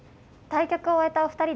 対局を終えたお二人です。